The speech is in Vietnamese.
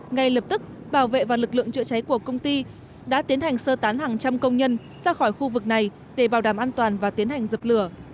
ngay lập tức bảo vệ và lực lượng chữa cháy của công ty đã tiến hành sơ tán hàng trăm công nhân ra khỏi khu vực này để bảo đảm an toàn và tiến hành dập lửa